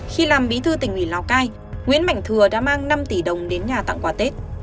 khi làm bí thư tỉnh ủy lào cai nguyễn mạnh thừa đã mang năm tỷ đồng đến nhà tặng quà tết